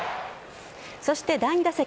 そして、第２打席。